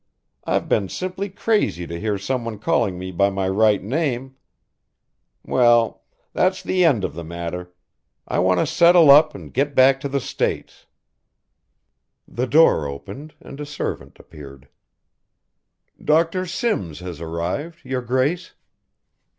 I've been simply crazy to hear someone calling me by my right name well, that's the end of the matter, I want to settle up and get back to the States " The door opened and a servant appeared. "Dr. Simms has arrived, your grace."